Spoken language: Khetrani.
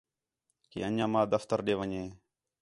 کہ انڄیاں ماں دفتر ݙے ون٘ڄے